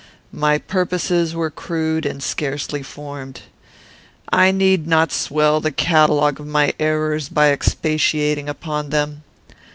My purposes were crude and scarcely formed. I need not swell the catalogue of my errors by expatiating upon them.